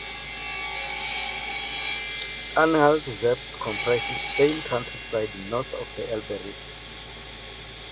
Anhalt-Zerbst comprises plain countryside north of the Elbe River.